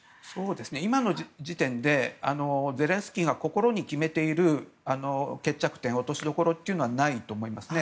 今の時点でゼレンスキーが心に決めている決着点、落としどころはないと思いますね。